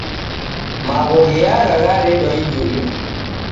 Magho gheagha gharedwa idime